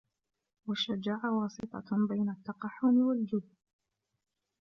وَالشُّجَاعَةُ وَاسِطَةٌ بَيْنَ التَّقَحُّمِ وَالْجُبْنِ